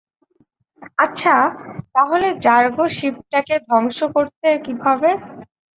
আচ্ছা, তাহলে যার্গ শিপটাকে ধ্বংস করতে কীভাবে?